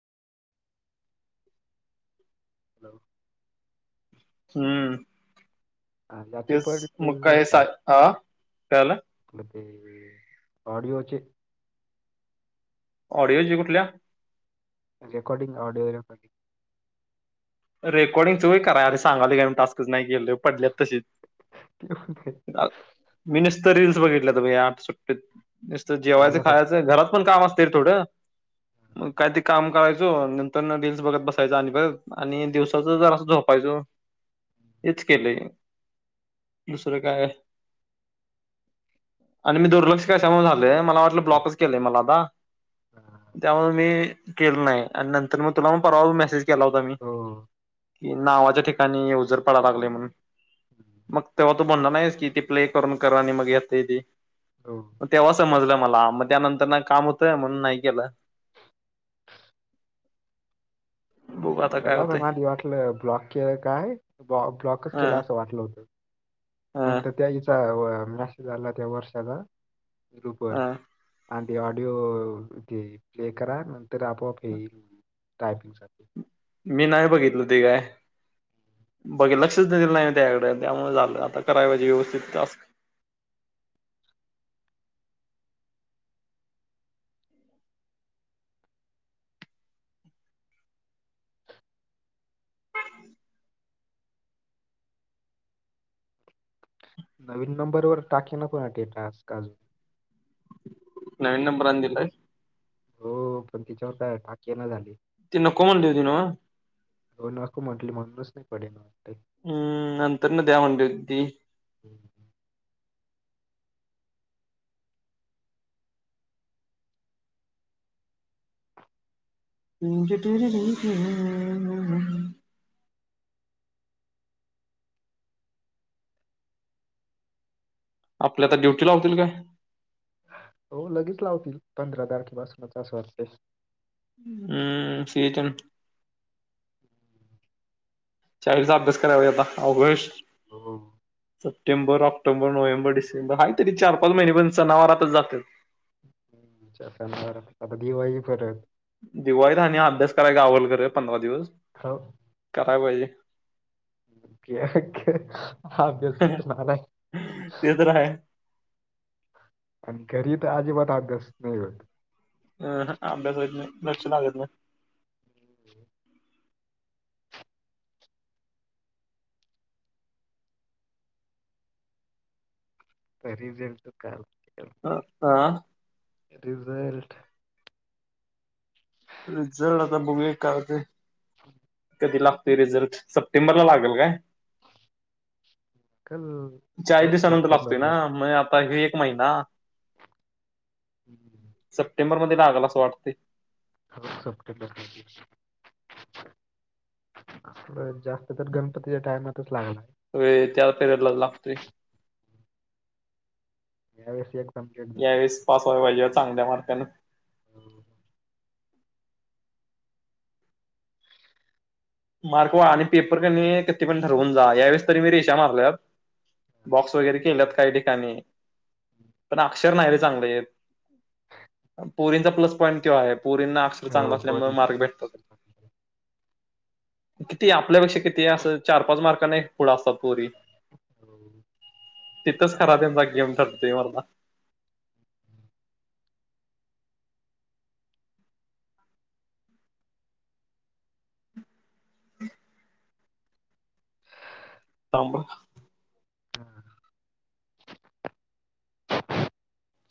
Hello. हम्म, हा, याचे तेच मग पडले काय, सा ह काय झालं? म ते, ऑडिओचे ऑडिओच कुठल्या? रेकॉडीिंग, ऑडीओ रेकॉडिंग. रेकॉर्डिंग च व्हय करायरे, सांगल का मी टास्क नाही के. [unintelligible] मी नुसतं रीलल्स बघितलेत या आठ सुट्टीत, नुसत जेवायच मला फक्त खायच घरात पण काम असत. थोडं, मग कायतरी काम करायचो नंतर रीलल्स बघत बसायच आणि ब आणि दिवसाच जराअसं झोपायचं हेच केलंय. दुसरं काय आणि मी दुर्लक्ष कशामुळे झालंय मला वाटलं ब्लॉकच केलंय मला आता? हम [inaudible] त्यामुळे मी केलं नाही आणि नंतर मग तुला मग परवा मेसेज केला होता मी. हो [unintelligible] की नावाच्या ठिकाणी यूजर पडा लागले म्हणून हम्म, तेव्हा तू म्हणला नाहीस की, ती प्ले करून करा आणि मग येतय ती. हो. ग तेव्हा समजलं मला, मग त्यानंतर ना काम होतंय म्हणून नाही केलं. बघु आता काय हो मला आधी वाटलं, ब्लॉक के- की, ब्लॉकच ह केला वाटलं होतं. ह नंतर त्या हीचा मेसेज आला त्या वर्षाचा, ग्रुप वर ह आणि ते ऑडिओ ते प्ले करा, नंतर आपोआप येईल टायपिंगसाठी. मी नाही बघितलं ते काय. बघितलं लक्षच दिल नाही मी त्याकड त्यामुळे झालं, आता कराय पायजे व्यवस्थित. नवीन नंबरवरर टाके नको ना ते, टास्क- टास्क. नवीन नंबर आणि दिलय? हो पण त्याच्यावर काय टास्क येणं ना झालय. ति नको म्हणली होती नव्ह? हो नको म्हटले, म्हणूनच नाही पडे ना त्या. हम्म, नंतर न द्या म्हणली होती ती. हम्म. ती स्टोरी नाही [inaudible] आपली आता ड्युटी लावतील काय? हो लगेच लावतील, पंधरा तारखे पासूनच असं वाटतंय. हम्म, [unintelligible] हम्म [inaudible] शाळेचा अभ्यास कराय पाहिजे आता, अवघड विषय हाय. हो. सप्टेंबर, ऑक्टोबर, नोव्हेंबर, डिसेंबर आहे तरी चार- पाच महिने पण सनावारातच जातात. चार पाच [unintelligible] महिने आता दिवाळी परत. दिवाळीत आणि अभ्यास कराय घावल का रे पंधरा दिवस, हो. कराय पाहिजे. ओके- ओके, अभ्यास करून आलाय. ते तर आहे आणि घरी तर अजिबात अभ्यास नाही होत. अ हां, अभ्यास होईत नाहि, लक्ष लागत नाही. हम्म. घरी गेलतो काल अं हा रिझल्ट हा रिझल्ट आता बघूया काय होतय. हम्म. कधी लागतय रिझल्ट,, सप्टेंबर ला लागल काय.? काल चाळीस हो दिवसांनंतर लागतोय सप्टेंबरला. ना,, मग आता हे महिना हम्म. सप्टेंबर मध्ये लागल असं वाटतंय. होय संप्टेबर मध्ये होय, जास्त तर गणपतीच्या टायमातच लागणार. होय त्या पिरेयड लाच लागतूय. ह्या वर्षी एक यावेळेस, पास व्हाय पायजे बघ चांगल्या मार्कानं. हो [unintelligible] मार्क आणि पेपर क नै किती पण ठरवून जा, यावेळेस तर मी रेषा मारल्यात बॉक्स वगैरे केल्यात काहि ठिकाणी. पण अक्षर नाही रे चांगलं येत, पोरींचा प्लस पाँईट त्यो हाय, पोरींना अक्षर हो, चांगल असल्यामुळं पोरी. मार्क भेटत्यात. किती आपल्यापेक्षा किती अस चार पाच मार्कान एक पुढं असतात पोरी. हो. तिथंच खरा त्यांचा गेम तटतोय मर्दा. हम्म. ह [inaudible] [unintelligible] सांब [unintelligible] हम्म.